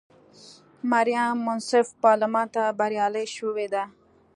مریم منصف پارلمان ته بریالی شوې وه.